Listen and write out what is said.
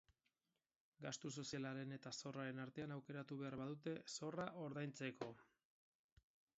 Gastu sozialaren eta zorraren artean aukeratu behar badute, zorra ordaintzeko.